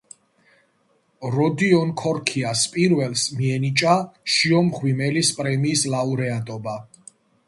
როდიონ ქორქიას პირველს მიენიჭა შიო მღვიმელის პრემიის ლაურეატობა.